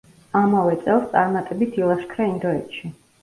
ამავე წელს წარმატებით ილაშქრა ინდოეთში.